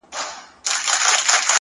ورځم د خپل نړانده کوره ستا پوړونی راوړم؛